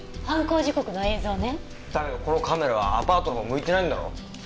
犯行時刻の映像ね。だけどこのカメラはアパートの方向いてないんだろ？